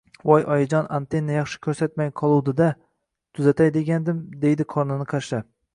Voy oyijon, antenna yaxshi ko`rsatmay qoluvdi-da… tuzatay degandim, deydi qornini qashlab